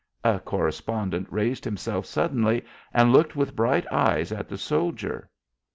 A correspondent raised himself suddenly and looked with bright eyes at the soldier.